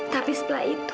tapi setelah itu